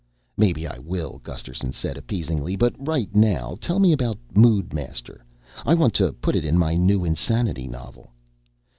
"Maybe I will," Gusterson said appeasingly, "but right now tell me about Moodmaster. I want to put it in my new insanity novel."